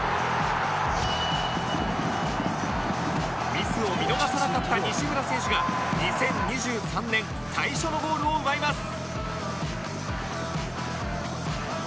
ミスを見逃さなかった西村選手が２０２３年最初のゴールを奪います